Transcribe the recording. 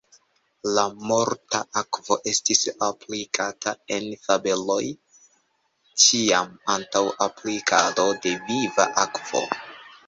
La morta akvo estis aplikata en fabeloj ĉiam antaŭ aplikado de viva akvo.